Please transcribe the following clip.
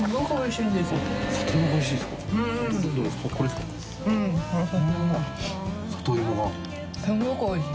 ・すごくおいしい。